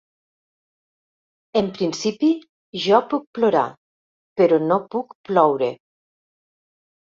En principi, jo puc plorar, però no puc ploure.